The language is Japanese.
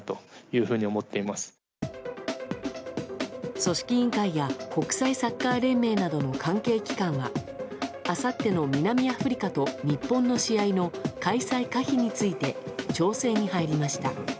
組織委員会や国際サッカー連盟などの関係機関はあさっての南アフリカと日本の試合の開催可否について調整に入りました。